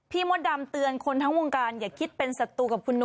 ฉันไว้เตือนตัวเองเถอะ